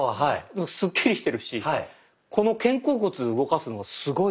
スッキリしてるしこの肩甲骨動かすのすごいいいですね。